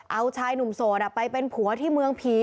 เอาชายหนุ่มโสดไปเป็นผัวที่เมืองผี